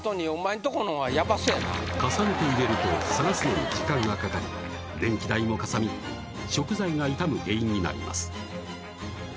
んとこのはやばそうやな重ねて入れると探すのに時間がかかり電気代もかさみ食材が傷む原因になります